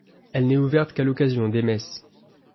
Elle n'est ouverte qu'à l'occasion des messes.